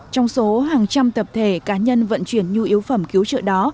trong số hàng trăm tập thể cá nhân vận chuyển nhu yếu phẩm cứu trợ đó